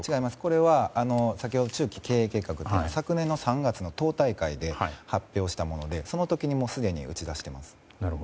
これは先ほどの中期経営計画昨年の３月の党大会で発表したものでその時にすでに打ち出しています。